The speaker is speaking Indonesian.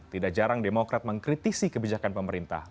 tidak jarang demokrat mengkritisi kebijakan pemerintah